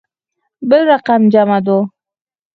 بل رقم جمعه دو.